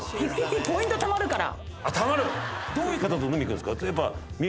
ポイントたまるから。